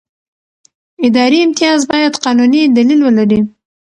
اداري امتیاز باید قانوني دلیل ولري.